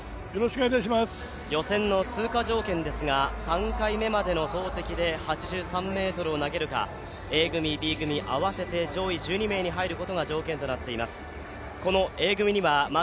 予選の通過条件ですが３回目までの投てきで８３ｍを投げるか、Ａ組、Ｂ組、合わせて上位１２名に入ることになってきます。